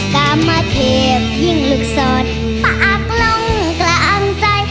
กามาเทพยิ่งลึกสอดปากลงกลางใจ